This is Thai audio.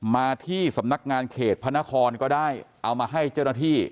มาที่สำนักงานเขตพระนครก็ได้เอามาให้เจ้าหน้าที่